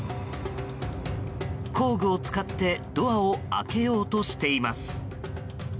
工具を使ってドアを開けようとしています。